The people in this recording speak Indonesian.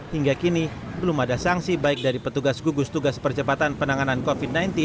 hingga kini belum ada sanksi baik dari petugas gugus tugas percepatan penanganan covid sembilan belas